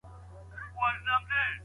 ایا مستري په اوږه باندي ګڼ توکي راوړي؟